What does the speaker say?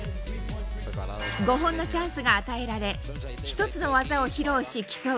５本のチャンスが与えられ１つの技を披露し競う